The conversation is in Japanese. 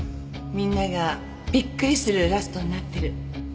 みんながビックリするラストになってる。